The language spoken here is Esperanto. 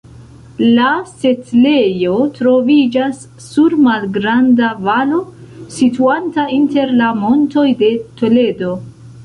La setlejo troviĝas sur malgranda valo situanta inter la Montoj de Toledo.